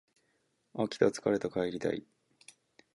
飽きた疲れた帰りたい